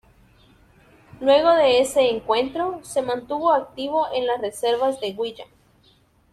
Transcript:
Luego de ese encuentro, se mantuvo activo en las reservas del Wigan.